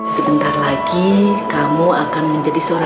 cinta yang kau membawamu